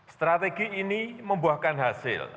strategi ini membuahkan hasil